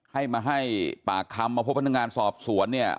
ให้มาให้ปากคำมาพบพนักงานสอบสวนเนี่ย